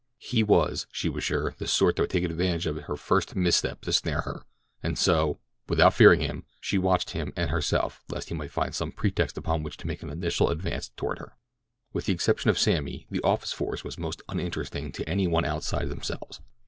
He was, she grew sure, the sort that would take advantage of her first misstep to snare her, and so, without fearing him, she watched him and herself lest he might find some pretext upon which to make an initial advance toward her. With the exception of Sammy, the office force was most uninteresting to any one outside themselves.